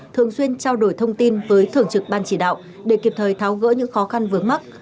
thường xuyên trao đổi thông tin với thường trực ban chỉ đạo để kịp thời tháo gỡ những khó khăn vướng mắt